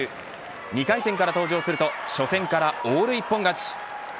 ２回戦から登場すると初戦からオール一本勝ち。